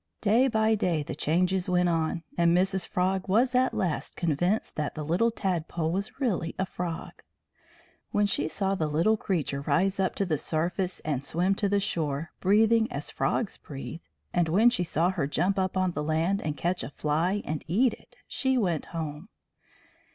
Day by day the changes went on, and Mrs. Frog was at last convinced that the little tadpole was really a frog. When she saw the little creature rise up to the surface and swim to the shore, breathing as frogs breathe, and when she saw her jump up on the land and catch a fly and eat it, she went home.